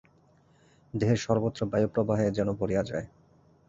দেহের সর্বত্র বায়ুপ্রবাহে যেন ভরিয়া যায়।